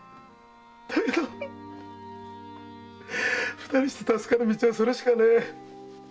だけど二人して助かる道はそれしかねえ。